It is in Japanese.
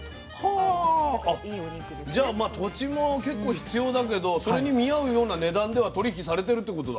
じゃあ土地も結構必要だけどそれに見合うような値段では取り引きされてるってことだ。